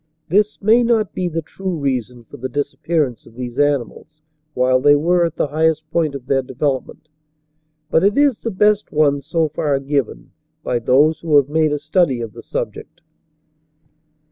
This may not be the true reason for the disappearance of these animals while they were at the highest point of their development, but it is the best one so far given by those who have made a study of the subject.